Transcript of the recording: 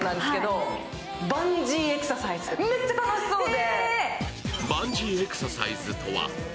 めっちゃ楽しそうで。